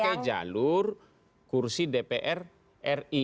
pakai jalur kursi dpr ri